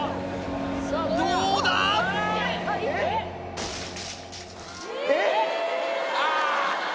どうだ！？えっ？